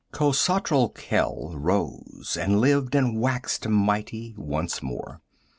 Khosatral Khel rose and lived and waxed mighty once more.